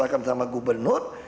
serahkan sama gubernur